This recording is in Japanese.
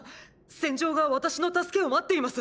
戦場が私の助けを待っています！